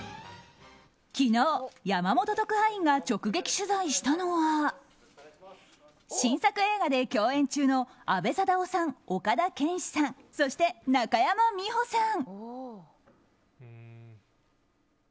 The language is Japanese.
昨日、山本特派員が直撃取材したのは新作映画で共演中の阿部サダヲさん岡田健史さんそして中山美穂さん。